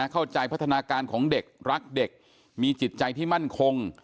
เข้าใจพัฒนาการของเด็กรักเด็กมีจิตใจที่มั่นคง